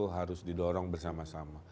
harus didorong bersama sama